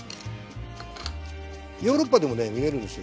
ヨーロッパでもね見れるんですよ